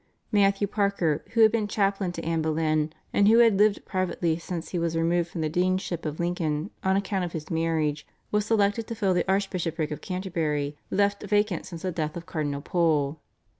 Matthew Parker, who had been chaplain to Anne Boleyn and who had lived privately since he was removed from the deanship of Lincoln on account of his marriage, was selected to fill the Archbishopric of Canterbury, left vacant since the death of Cardinal Pole.